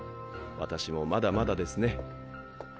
私もまだまだですね。